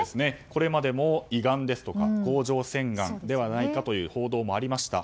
これまでも胃がんですとか甲状腺がんではないかという報道もありました。